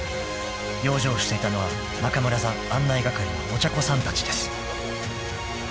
［養生していたのは中村座案内係のお茶子さんたちです］